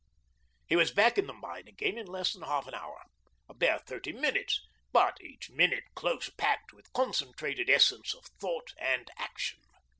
He was back in the mine again in less than half an hour a bare thirty minutes, but each minute close packed with concentrated essence of thought and action.